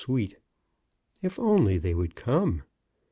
43 sweet, if only they would come